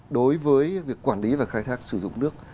đối với việc quản lý và khai thác sử dụng nước